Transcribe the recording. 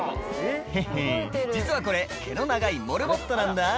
「ヘッヘ実はこれ毛の長いモルモットなんだ」